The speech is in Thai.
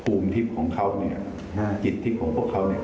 ภูมิทิพย์ของเขาเนี่ยจิตทิพย์ของพวกเขาเนี่ย